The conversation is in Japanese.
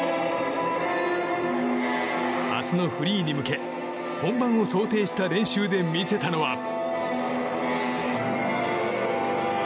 明日のフリーに向け本番を想定した練習で見せたのは。